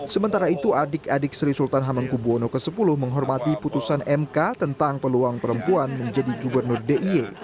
sementara itu adik adik sri sultan hamengkubwono x menghormati putusan mk tentang peluang perempuan menjadi gubernur d i e